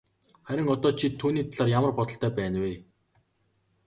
Харин одоо чи түүний талаар ямар бодолтой байна вэ?